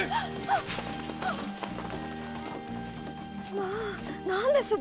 まあ何でしょう？